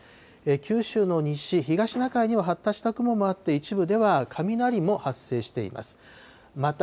九州の西、東シナ海には発達した雲もあって、一部では雷も発生しています。